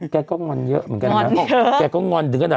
แกก็งอนเยอะเหมือนกันนะ